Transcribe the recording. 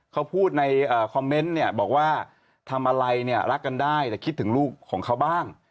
เขาพูดในคอมเมนต์เนี่ยบอกว่าทำอะไรเนี่ยรักกันได้แต่คิดถึงลูกของเขาบ้าง